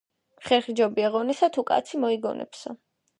ხერხი ჯობია ღონესა თუ კაცი მოიგონებსა.